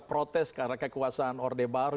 protes karena kekuasaan orde baru